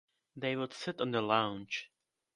They would sit on the lounge.